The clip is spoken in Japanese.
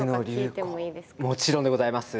もちろんでございます！